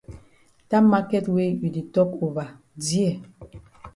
Dat maket wey you di tok ova dear.